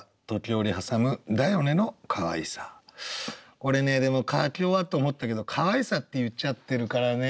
俺ねでも書き終わって思ったけど「可愛さ」って言っちゃってるからね。